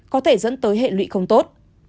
có thể dẫn tới hệ lụy không tốt